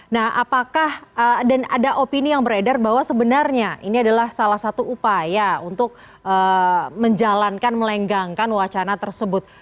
nah apakah dan ada opini yang beredar bahwa sebenarnya ini adalah salah satu upaya untuk menjalankan melenggangkan wacana tersebut